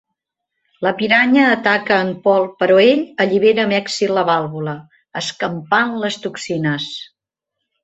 La piranya ataca a en Paul però ell allibera amb èxit la vàlvula, escampant les toxines.